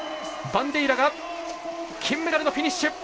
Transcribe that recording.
バンデイラが金メダルのフィニッシュ。